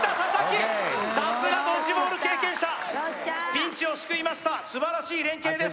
さすがドッジボール経験者ピンチを救いました素晴らしい連携です